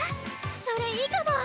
それいいかも！